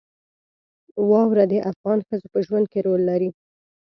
واوره د افغان ښځو په ژوند کې رول لري.